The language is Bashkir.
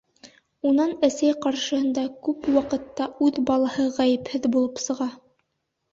Унан әсәй ҡаршыһында күп ваҡытта үҙ балаһы ғәйепһеҙ булып сыға.